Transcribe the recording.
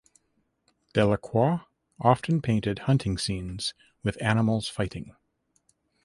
Delacroix often painted hunting scenes and animals fighting.